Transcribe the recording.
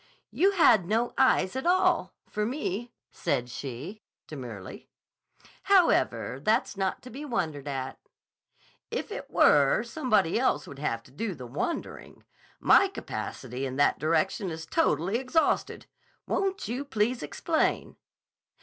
"You had no eyes at all—for me," said she demurely. "However, that's not to be wondered at." "If it were, somebody else would have to do the wondering. My capacity in that direction is totally exhausted. Won't you please explain?"